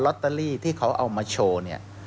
ตเตอรี่ที่เขาเอามาโชว์เนี่ย